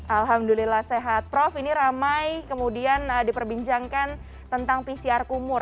alhamdulillah sehat prof ini ramai kemudian diperbincangkan tentang pcr kumur